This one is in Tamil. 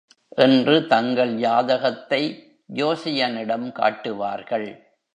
என்று தங்கள் ஜாதகத்தை ஜோசியனிடம் காட்டுவார்கள்.